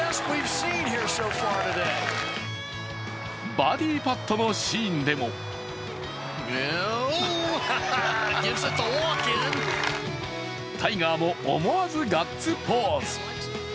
バーディーパットのシーンでもタイガーも思わずガッツポーズ。